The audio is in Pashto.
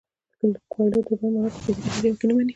کویلیو د ژوند مانا په فزیکي بریا کې نه ویني.